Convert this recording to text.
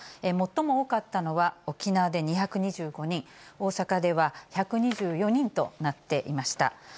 最も多かったのは沖縄で２２５人、大阪では１２４人となっていました。